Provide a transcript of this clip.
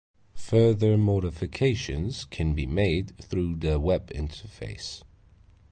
Further modifications can be made through the web interface.